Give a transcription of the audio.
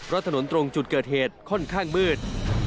เพราะถนนตรงจุดเกิดเหตุค่อนข้างมืด